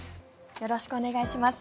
よろしくお願いします。